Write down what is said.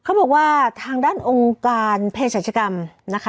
เขาบอกว่าทางด้านองค์การเพศรัชกรรมนะคะ